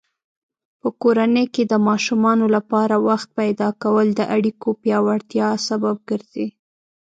په کورنۍ کې د ماشومانو لپاره وخت پیدا کول د اړیکو پیاوړتیا سبب ګرځي.